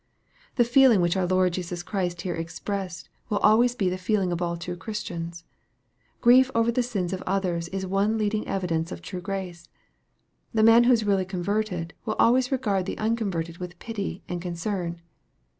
The feeling which our Lord Jesus Christ here ex pressed, will always be the feeling of all true Christians. Grief over the sins of others is one leading evidence of true grace. The man who is really converted, will always regard the unconverted with pity and concern.